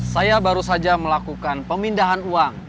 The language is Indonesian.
saya baru saja melakukan pemindahan uang